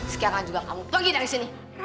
sekian juga kamu pergi dari sini